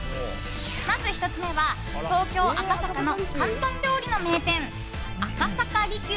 まず１つ目は東京・赤坂の広東料理の名店赤坂璃宮